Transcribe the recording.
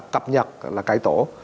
cập nhật là cải tổ